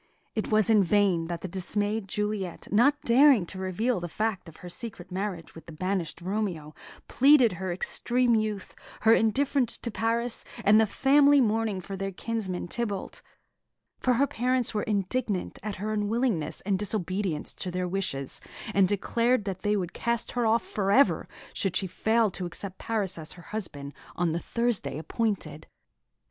It was in vain that the dismayed Juliet, not daring to reveal the fact of her secret marriage with the banished Romeo, pleaded her extreme youth, her indifference to Paris, and the family mourning for their kinsman, Tybalt; for her parents were indignant at her unwillingness and disobedience to their wishes, and declared that they would cast her off for ever should she fail to accept Paris as her husband on the Thursday appointed.